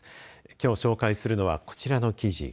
きょう紹介するのはこちらの記事。